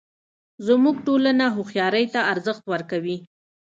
زموږ ټولنه هوښیارۍ ته ارزښت ورکوي